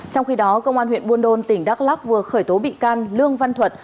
trong khi đó công an huyện buôn đôn tỉnh đắk lắk vừa khởi tố bị can lương văn thuật